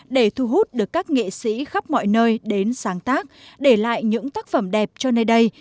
để thu hút được các nghệ sĩ khắp mọi nơi đến sáng tác để lại những tác phẩm đẹp cho nơi đây